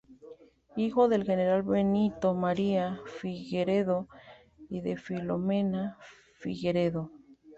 Hijo del general Benito María Figueredo y de Filomena Figueredo.